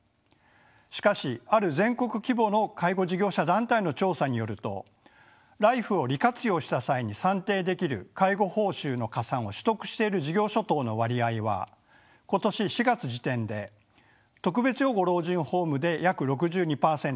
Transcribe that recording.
しかしある全国規模の介護事業者団体の調査によるとＬＩＦＥを利活用した際に算定できる介護報酬の加算を取得している事業所等の割合は今年４月時点で特別養護老人ホームで約６２％。